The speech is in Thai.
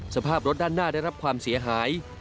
สภาพรถด้านหน้าได้รับความเสียหาย